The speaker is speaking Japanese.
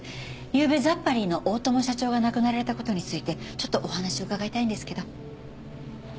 ゆうべザッパリーの大友社長が亡くなられた事についてちょっとお話を伺いたいんですけど。